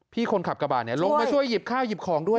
พี่คนขับกระบาดลงมาช่วยหยิบข้าวหยิบของด้วย